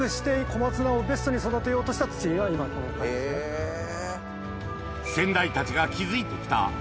へぇ。